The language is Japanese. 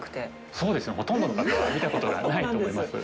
そうですね、ほとんどの方が見たことがないと思います。